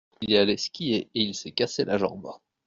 Il est allé skier et il s’est cassé la jambe.